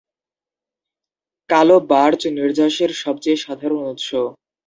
কালো বার্চ নির্যাসের সবচেয়ে সাধারণ উৎস।